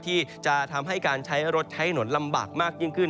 ที่จะทำให้การใช้รถใช้ถนนลำบากมากยิ่งขึ้น